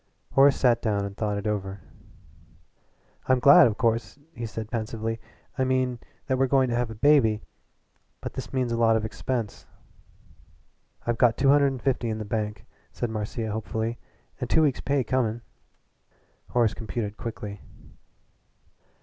Horace sat down and thought it over. "I'm glad of course," he said pensively "I mean glad that we're going to have a baby. But this means a lot of expense." "I've got two hundred and fifty in the bank," said Marcia hopefully, "and two weeks' pay coming." Horace computed quickly.